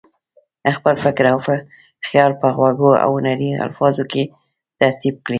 خپل فکر او خیال په خوږو او هنري الفاظو کې ترتیب کړي.